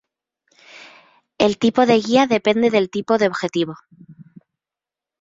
El tipo de guía depende del tipo de objetivo.